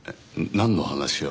なんの話を？